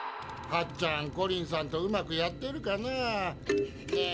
ハッちゃんコリンさんとうまくやってるかな？